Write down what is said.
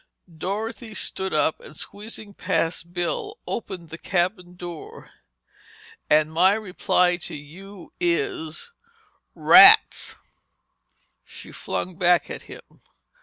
Dorothy stood up and squeezing past Bill, opened the cabin door. "And my reply to you is—rats!" she flung back at him.